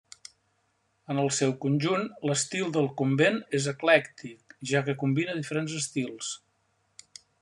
En el seu conjunt l'estil del convent és eclèctic, ja que combina diferents estils.